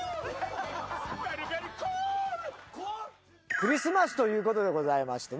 クリスマスということでございましてね。